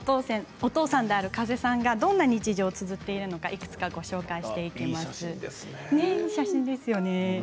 お父さんである加瀬さんがどんな日常をつづっているのがいい写真ですね。